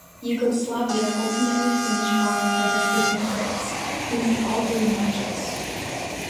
Yugoslavia ultimately finished bottom of their group in France, losing all three matches.